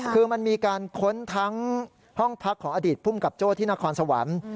คือมันมีการค้นทั้งห้องพักของอดีตภูมิกับโจ้ที่นครสวรรค์